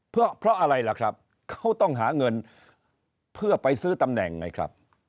เพราะอะไรล่ะครับเขาต้องหาเงินเพื่อไปซื้อตำแหน่งไงครับ